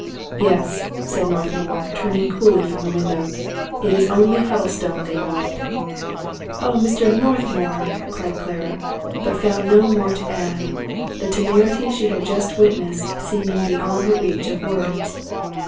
" Yes," said Northmour, turning coolly from the window, "it's only Huddlestone they want." " Oh, Mr. Northmour !" cried Clara ; but found no more to add ; the temerity she had just witnessed seeming beyond the reach of words.